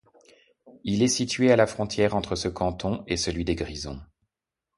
Il est situé à la frontière entre ce canton et celui des Grisons.